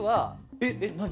えっ何？